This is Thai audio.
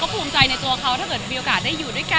ภูมิใจในตัวเขาถ้าเกิดมีโอกาสได้อยู่ด้วยกัน